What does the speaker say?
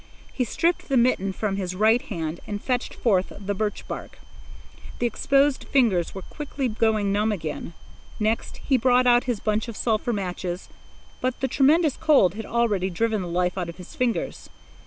He stripped the mitten from his right hand and fetched forth the birch bark. The exposed fingers were quickly going numb again. Next he brought out his bunch of sulphur matches. But the tremendous cold had already driven the life out of his fingers.